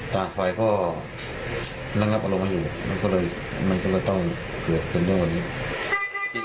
ต่างฝ่ายก็ระงับอารมณ์ไม่อยู่มันก็เลยต้องเกิดจนได้วันนี้